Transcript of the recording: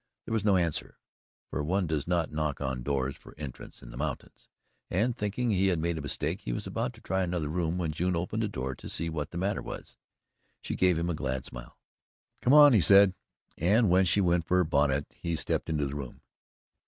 There was no answer for one does not knock on doors for entrance in the mountains, and, thinking he had made a mistake, he was about to try another room, when June opened the door to see what the matter was. She gave him a glad smile. "Come on," he said, and when she went for her bonnet, he stepped into the room.